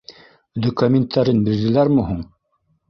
Дөкәминттәрен бирҙеләрме һуң?